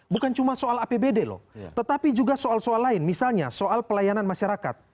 bukan cuma soal apbd loh tetapi juga soal soal lain misalnya soal pelayanan masyarakat